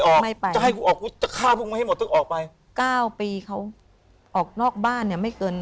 เขาจะอยู่ที่นี่